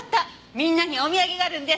みんなにお土産があるんです。